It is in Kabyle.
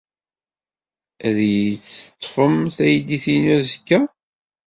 Ad iyi-teṭṭfem taydit-inu azekka?